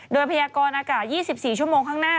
โดยพยากรอากาศ๒๔ชั่วโมงข้างหน้า